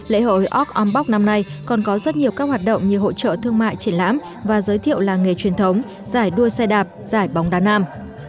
lễ hội org ombox năm nay còn có rất nhiều các hoạt động như hỗ trợ thương mại triển lãm và giới thiệu làng nghề truyền thống giải đua xe đạp giải bóng đá nam